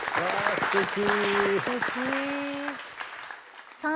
すてき！